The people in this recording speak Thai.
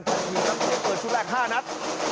ปลินชนชุดแรก๕นัด